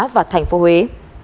và thành phố huế